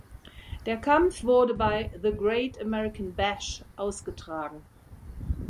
Der Kampf wurde bei The Great American Bash ausgetragen.